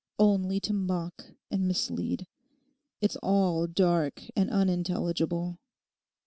Only to mock and mislead. It's all dark and unintelligible.